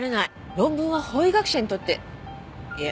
論文は法医学者にとっていえ